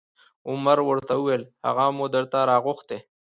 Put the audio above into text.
عمر ورته وویل: هغه مو درته راغوښتی